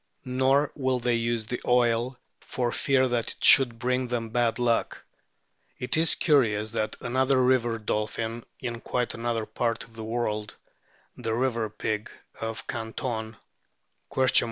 Nor will they use the oil for fear that it should bring them bad luck. It is curious that another river dolphin in quite another part of the world, the "river pig" of Canton